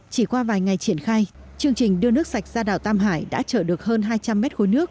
chỉ qua vài ngày triển khai chương trình đưa nước sạch ra đảo tam hải đã chở được hơn hai trăm linh mét khối nước